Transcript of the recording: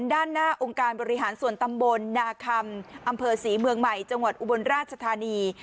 ด้านหน้าองค์การบริหารส่วนตำบลนาคำอำเภอศรีเมืองใหม่จังหวัดอุบลราชธานี